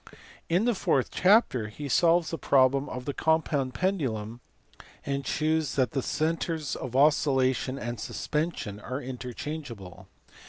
In the fourth chapter he solves the problem of the compound pendulum, and shews that the centres of oscil lation and suspension are interchangeable.